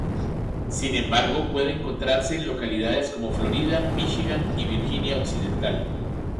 Sin embargo, puede encontrase en localidades como Florida, Míchigan y Virginia Occidental.